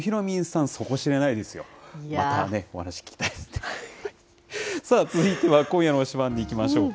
さあ続いては今夜の推しバン！にいきましょうか。